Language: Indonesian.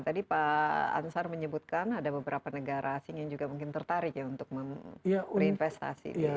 tadi pak ansar menyebutkan ada beberapa negara asing yang juga mungkin tertarik ya untuk berinvestasi